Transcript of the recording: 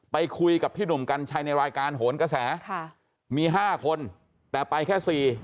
ไปคุยกับพี่หนุ่มกัญชัยในรายการโหนกระแสค่ะมี๕คนแต่ไปแค่สี่